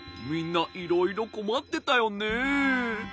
みんないろいろこまってたよね。